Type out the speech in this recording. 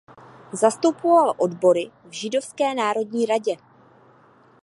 Zastupoval odbory v Židovské národní radě.